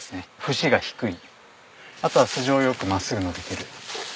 節が低いあとは素性よく真っすぐ伸びてる。